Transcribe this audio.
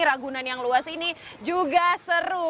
ragunan yang luas ini juga seru